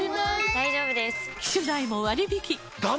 大丈夫です！